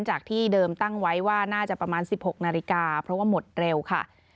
จากที่เดิมตั้งไว้ว่าน่าจะประมาณ๑๖นาฬิกาเพราะว่าหมดเร็วค่ะ